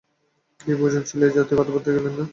কী প্রয়োজন ছিল এ-জাতীয় কথাবার্তায় গেলেন না।